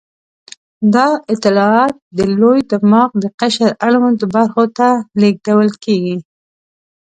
دا اطلاعات د لوی دماغ د قشر اړوندو برخو ته لېږدول کېږي.